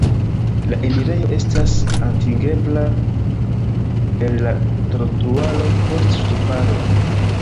La enirejo estas atingebla el la trotuaro post ŝtuparoj.